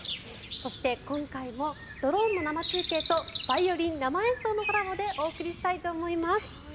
そして、今回もドローンの生中継とバイオリン生演奏のコラボでお送りしたいと思います。